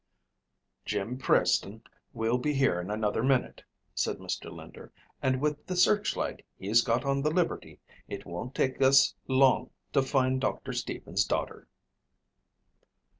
"Jim Preston will be here in another minute," said Mr. Linder, "and with the searchlight he's got on the Liberty it won't take us long to find Doctor Stevens' daughter."